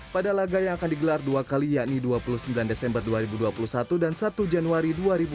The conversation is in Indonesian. pada laga yang akan digelar dua kali yakni dua puluh sembilan desember dua ribu dua puluh satu dan satu januari dua ribu dua puluh